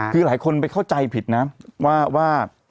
คือหลายคนไปเข้าใจผิดนะว่า